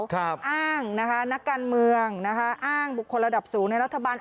อ้างนะคะนักการเมืองนะคะอ้างบุคคลระดับสูงในรัฐบาล